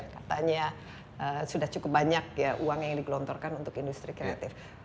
katanya sudah cukup banyak ya uang yang digelontorkan untuk industri kreatif